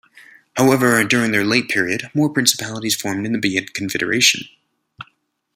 However, during their late period, more principalities formed in the Buyid confederation.